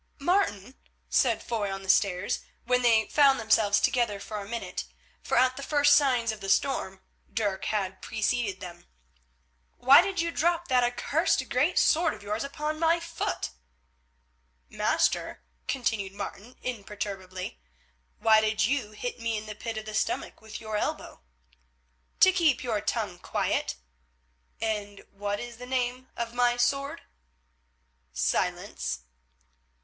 "Martin," said Foy on the stairs, where they found themselves together for a minute, for at the first signs of the storm Dirk had preceded them, "why did you drop that accursed great sword of yours upon my foot?" "Master," countered Martin imperturbably, "why did you hit me in the pit of the stomach with your elbow?" "To keep your tongue quiet." "And what is the name of my sword?" "Silence."